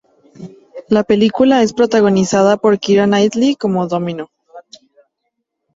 La película es protagonizada por Keira Knightley como Domino.